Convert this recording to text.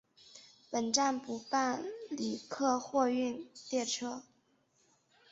本站不办理客货运列车。